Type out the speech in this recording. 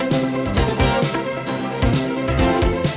hẹn gặp lại